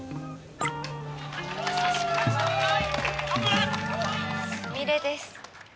「すみれです」